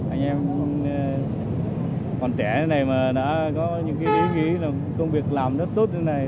anh em còn trẻ như thế này mà đã có những ý nghĩa là công việc làm rất tốt như thế này